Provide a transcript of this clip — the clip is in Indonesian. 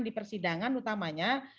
di persidangan utamanya